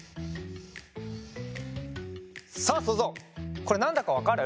さあそうぞうこれなんだかわかる？